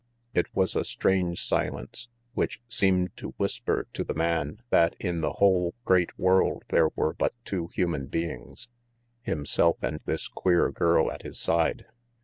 It was a strange silence, which seemed to whisper to the man that in the whole great world there were but two human beings, himself and this queer girl at his side.